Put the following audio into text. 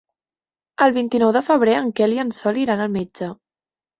El vint-i-nou de febrer en Quel i en Sol iran al metge.